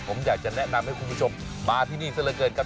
ผมอยากจะแนะนำให้คุณผู้ชมมาที่นี่ซะเหลือเกินครับ